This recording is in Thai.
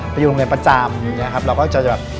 ไปอยู่โรงเรียนประจำ